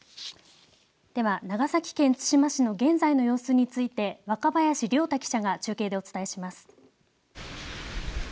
では長崎県対馬市の現在の様子について若林諒太記者が中継でお伝えします。